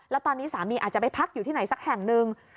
แล้วตอนนี้สามีอาจจะไปพักอยู่ที่ไหนสักแห่งหนึ่ง